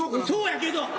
そうやけど。